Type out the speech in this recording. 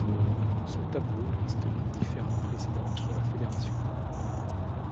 Ce tableau liste les différents présidents de la fédération.